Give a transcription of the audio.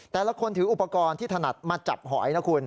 แต่ละคนถืออุปกรณ์ที่ถนัดมาจับหอยนะคุณ